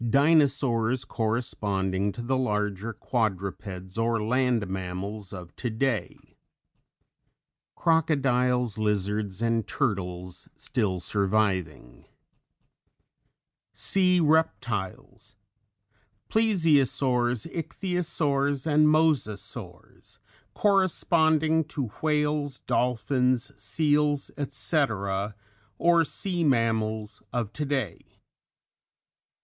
DINOSAURS corresponding to the larger quadrupeds or land mammals of today. CROCODILES, LIZARDS AND TURTLES still surviving. SEA REPTILES. PLESIOSAURS } corresponding to whales, dolphins, seals, ICHTHYOSAURS } etc., or sea mammals of today.